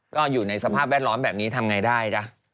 ก็อยู่ในสภาพแวดล้อมแบบนี้ทำไงได้จ๊ะ